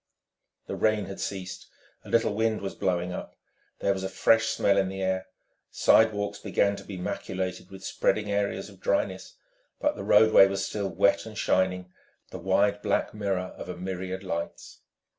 The rain had ceased. A little wind was blowing up. There was a fresh smell in the air. Sidewalks began to be maculated with spreading areas of dryness, but the roadway was still wet and shining, the wide black mirror of a myriad lights.